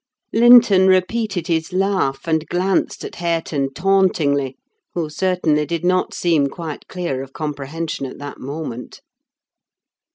Linton repeated his laugh, and glanced at Hareton tauntingly; who certainly did not seem quite clear of comprehension at that moment.